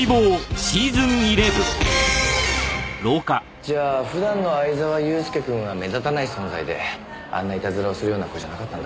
じゃあ普段の藍沢祐介くんは目立たない存在であんないたずらをするような子じゃなかったんだ。